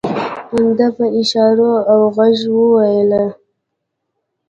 ده په اشارو او غږ وويل.